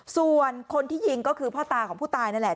ส่วนคนที่ยิงก็คือพ่อตาของผู้ตายนั่นแหละ